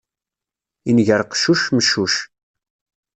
Inger qeccuc, meccuc.